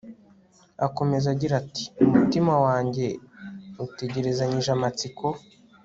akomeza agira ati umutima wanjye utegerezanyije amatsiko